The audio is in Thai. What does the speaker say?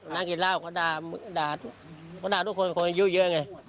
นั่งกินเหล้าเขาด่าเขาด่าทุกคนคนอายุเยอะไง